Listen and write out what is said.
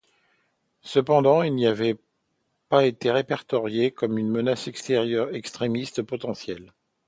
Cependant, il n'avait pas été répertorié comme une menace extrémiste potentielle.